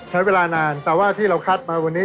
ใช้เวลานานแต่ว่าที่เราคัดมาวันนี้